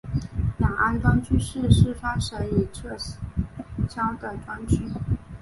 雅安专区是四川省已撤销的专区。